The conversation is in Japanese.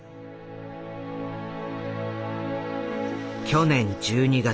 去年１２月。